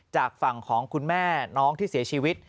จากฝั่งของคุณแม่น้องที่เสียชีวิต